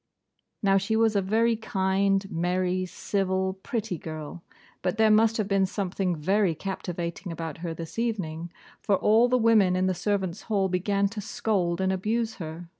Now, she was a very kind, merry, civil, pretty girl; but there must have been something very captivating about her this evening, for all the women in the servants' hall began to scold and abuse her.